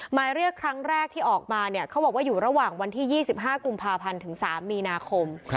หมายเรียกครั้งแรกที่ออกมาเนี่ยเขาบอกว่าอยู่ระหว่างวันที่๒๕กุมภาพันธ์ถึง๓มีนาคม